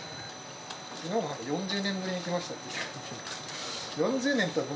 きのうもなんか４０年ぶりに来ましたっていう。